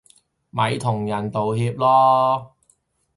咪同人道歉囉